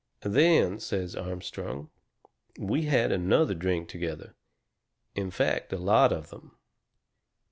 "Then," says Armstrong, "we had another drink together. In fact, a lot of them.